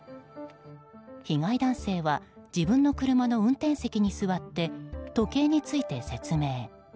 被害男性は自分の車の運転席に座って時計について説明。